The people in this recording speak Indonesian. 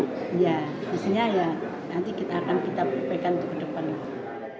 ya biasanya ya nanti kita akan kita pembinaan ke depannya